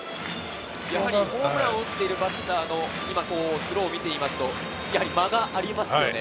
ホームランを打っているバッターのスローを見ていますと、やはり間がありますね。